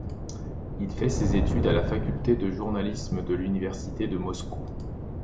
Il fait ses études à la faculté de journalisme de l'université de Moscou.